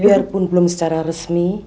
biarpun belum secara resmi